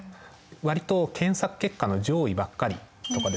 割と検索結果の上位ばっかりとかですね